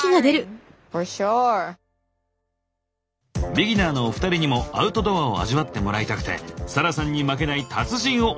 ビギナーのお二人にもアウトドアを味わってもらいたくてサラさんに負けない達人をお呼びしました。